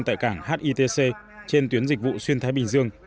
tại cảng hitc trên tuyến dịch vụ xuyên thái bình dương